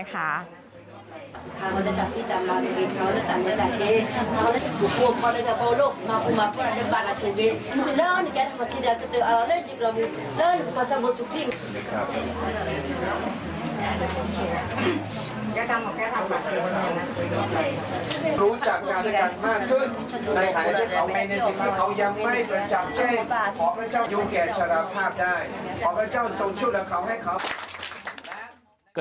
อยู่แก่ฉรภาพได้ขอบเจ้าส่งชุดละเขาให้เขา